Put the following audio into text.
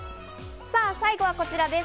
さぁ最後はこちらです。